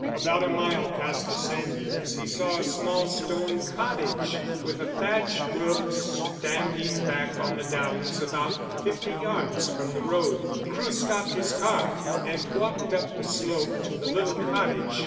About a mile past the sand dunes he saw a small stone cottage with a thatched roof, standing back on the downs about fifty yards from the road. Crewe stopped his car, and walked up the slope to the little cottage.